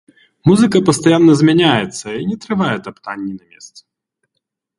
Музыка пастаянна змяняецца і не трывае таптанні на месцы.